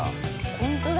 ホントだ！